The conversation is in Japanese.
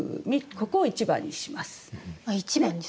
ここを１番にします。